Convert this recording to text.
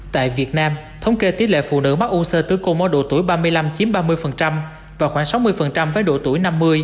tại việt nam thống kê tỷ lệ phụ nữ mắc u sơ tử cung ở độ tuổi ba mươi năm chiếm ba mươi và khoảng sáu mươi với độ tuổi năm mươi